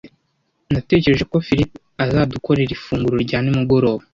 Natekereje ko Philip azadukorera ifunguro rya nimugoroba.